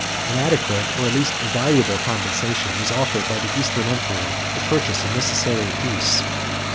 An adequate, or at least a valuable, compensation, was offered by the Eastern emperor, to purchase a necessary peace.